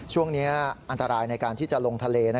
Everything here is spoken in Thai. ช่วงนี้อันตรายในการที่จะลงทะเล